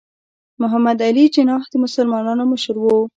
محمد علي جناح د مسلمانانو مشر و.